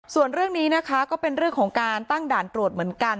ส่วนเรื่องนี้นะคะก็เป็นเรื่องของการตั้งด่านตรวจเหมือนกัน